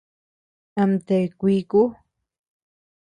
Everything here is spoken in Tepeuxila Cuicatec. Amtea kuiku.